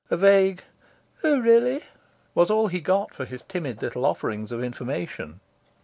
A vague "Oh really?" was all he got for his timid little offerings of information.